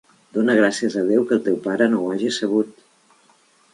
Dona gràcies a Déu que el teu pare no ho hagi sabut!